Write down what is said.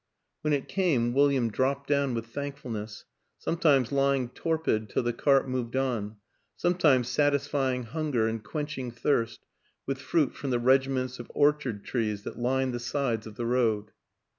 When it came William dropped down with thankfulness; sometimes lying torpid till the cart moved on, sometimes satisfying hunger and quenching thirst with fruit from the regiments of orchard trees that lined the sides of the road.